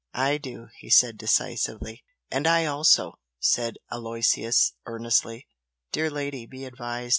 "I do!" he said, decisively. "And I also!" said Aloysius, earnestly "Dear lady, be advised!